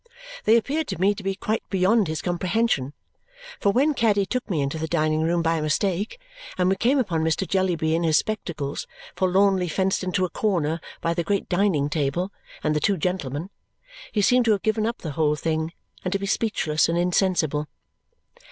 They appeared to me to be quite beyond his comprehension, for when Caddy took me into the dining room by mistake and we came upon Mr. Jellyby in his spectacles, forlornly fenced into a corner by the great dining table and the two gentlemen, he seemed to have given up the whole thing and to be speechless and insensible.